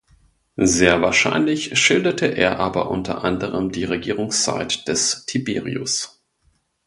Sehr wahrscheinlich schilderte er aber unter anderem die Regierungszeit des Tiberius.